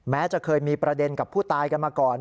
แม้จะเคยมีประเด็นกับผู้ตายกันมาก่อน